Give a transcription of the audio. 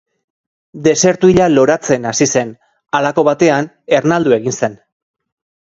Desertu hila loratzen hasi zen, halako batean ernaldu egin zen.